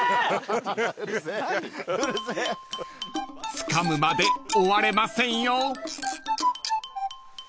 ［つかむまで終われませんよ］